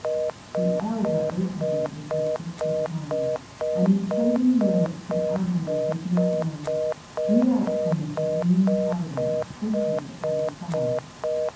The elder opened it with his gristly hand and intoning words that Amuel did not know, drew out from it a green powder and sprinkled it on the fire.